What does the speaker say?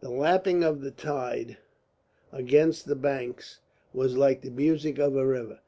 The lapping of the tide against the banks was like the music of a river.